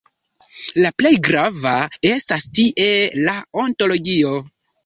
La plej grava estas tie la ontologio.